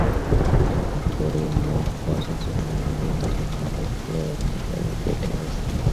আমরা অনুভব করি, বছরজুড়ে মনের মধ্যে জমে ওঠা ক্লেদ কেটে গেছে।